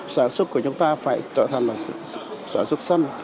sản xuất của chúng ta phải trở thành sản xuất xanh